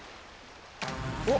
おっ！